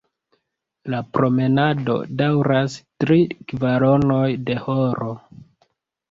La promenado daŭras tri kvaronoj de horo.